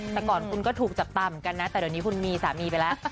แต่ก่อนคุณก็ถูกจับตาเหมือนกันนะแต่เดี๋ยวนี้คุณมีสามีไปแล้ว